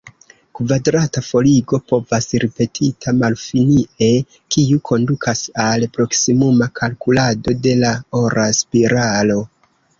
Kvadrata forigo povas ripetita malfinie, kiu kondukas al proksimuma kalkulado de la ora spiralo.